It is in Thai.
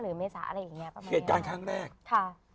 หรือเมษาอะไรอย่างเงี้ย